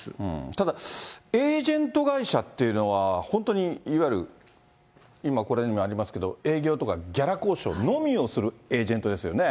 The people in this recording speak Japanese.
ただ、エージェント会社っていうのは、本当に、いわゆる今、これにもありますけれども、営業とか、ギャラ交渉のみをするエージェントですよね。